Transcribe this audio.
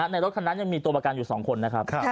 ในรถคันนั้นยังมีตัวประกันอยู่๒คนนะครับ